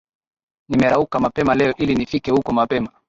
Nimerauka mapema leo ili nifike huko mapema